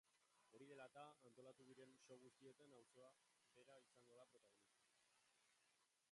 Hori dela eta, antolatu diren show guztietan auzoa bera izango da protagonista.